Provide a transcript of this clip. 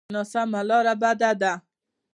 ناسمه لاره بده ده.